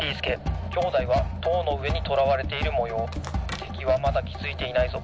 てきはまだきづいていないぞ。